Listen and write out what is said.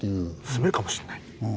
住めるかもしれない。